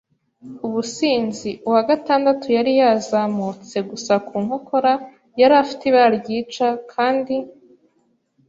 ubusinzi. Uwa gatandatu yari yazamutse gusa ku nkokora; yari afite ibara ryica, kandi